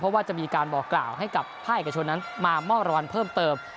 เพราะว่าจะมีการบอกกล่าวให้กับภาคเอกชนนั้นมามอบรางวัลเพิ่มเติม